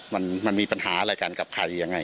มันมันมีปัญหาอะไรกันกับใครยังไง